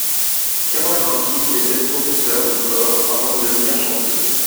Carole Vinci voulait être professeur de sport avant de devenir chanteuse.